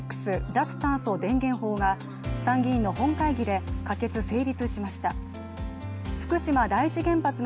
脱炭素電源法が参議院の本会議で可決・成立しました。